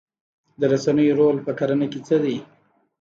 د رسنیو رول په کرنه کې څه دی؟